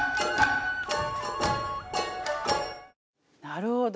なるほど。